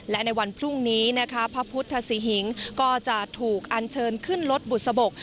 และในวันพรุ่งนี้นะคะพระพุทธศรีหิงก็จะถูกอันเชิญขึ้นรถบุษบก